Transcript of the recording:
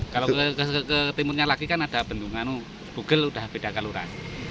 kalau ke timurnya lagi kan ada bendungan bugel sudah beda kaluran